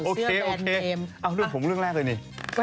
โอเคโอเคผมเลือกแรกเลยนี่